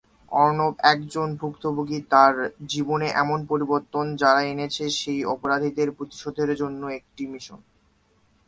অর্ণব একজন ভুক্তভোগী তার জীবনে এমন পরিবর্তন যারা এনেছে সেই অপরাধীদের প্রতিশোধের জন্য একটি মিশন।